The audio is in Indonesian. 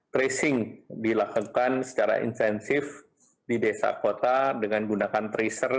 tracing dilakukan secara intensif di desa kota dengan gunakan tracer